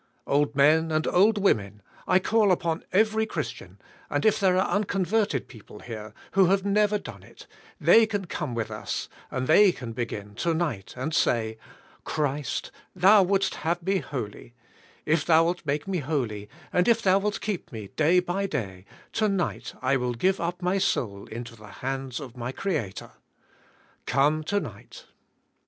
Old men and old women, I call upon every Christian, and if there are unconverted people here, who have never done it, they can come with us,, and they can begin, to night, and say, "Christ, Thou wouldst have me holy; if Thou wilt make me holy, and if Thou wilt keep me day by day, to night I will give up my soul into the hands of my Creator." Come, to night!